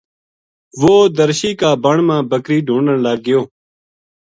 وہ درشی کا بن ما بکری ڈُھونڈن لگ گیو